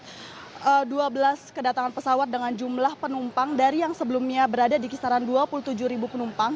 sudah terjadi peningkatan hampir lima puluh persen ke angka tiga ratus dua belas kedatangan pesawat dengan jumlah penumpang dari yang sebelumnya berada di kisaran dua puluh tujuh ribu penumpang